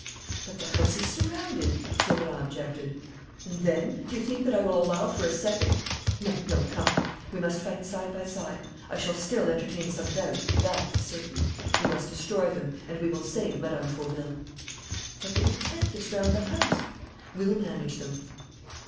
"But the house is surrounded," Sauverand objected. "And then? Do you think that I will allow for a second ? No, no, come! We must fight side by side. I shall still entertain some doubts, that is certain. You must destroy them; and we will save Mme. Fauville." "But the detectives round the house?" "We'll manage them."